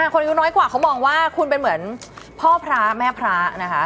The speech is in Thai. คนอายุน้อยกว่าเขามองว่าคุณเป็นเหมือนพ่อพระแม่พระนะคะ